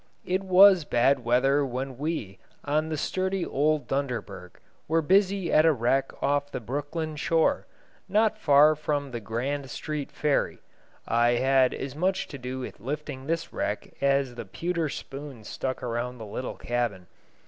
It was bad weather when we, on the sturdy old Dunderberg, were busy at a wreck off the Brooklyn shore, not far from Grand Street ferry (I had as much to do with lifting this wreck as the pewter spoons stuck around the little cabin).